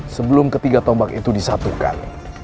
sebelum ketiga tombak itu disatukan